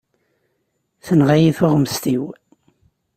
Tenɣa-iyi tuɣmest-iw.